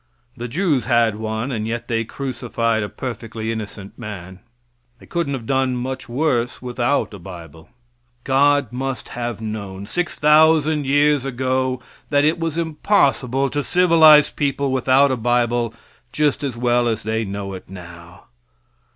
The Jews had one, and yet they crucified a perfectly innocent man. They couldn't have done much worse without a bible. God must have known 6,000 years ago that it was impossible to civilize people without a bible just as well as they know it now.